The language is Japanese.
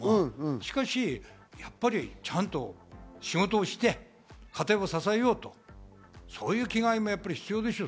しかし、やっぱりちゃんと仕事をして、家庭を支えようと、そういう気概もやっぱり必要でしょう。